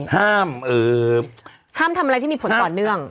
ห้ามทำอะไรที่มีผลต่อเนื่อง